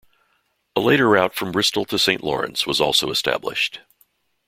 A later route from Bristol to Saint Lawrence was also established.